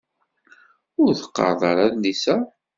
Ur teqqaṛeḍ ara adlis-a?